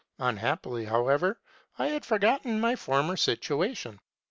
Unhappily, however, I had not forgotten my former situation.